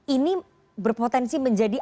ini berpotensi menjadi